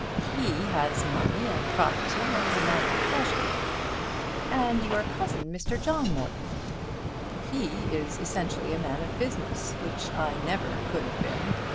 "He has money and property and is a man of pleasure." "And your cousin, Mr. John Morton." "He is essentially a man of business, which I never could have been.